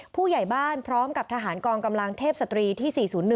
ผู้ใหญ่บ้านพร้อมกับทหารกองกำลังเทพศตรีที่๔๐๑